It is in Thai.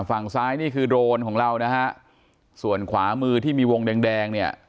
ฝั่งซ้ายนี่คือโดรนของเรานะฮะส่วนขวามือที่มีวงแดงแดงเนี่ย